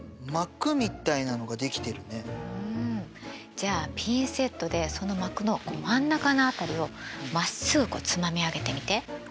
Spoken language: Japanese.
じゃあピンセットでその膜のこう真ん中の辺りをまっすぐこうつまみ上げてみて。